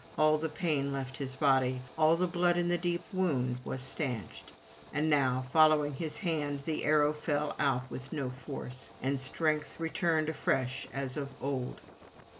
all the pain left his body, all the blood in the deep wound was stanched. And now following his hand the arrow fell out with no force, and strength returned afresh as of old.